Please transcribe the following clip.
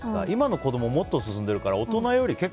今の子供はもっと進んでるから大人より